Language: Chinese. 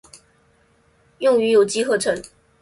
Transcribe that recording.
用于有机合成。